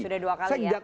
sudah dua kali ya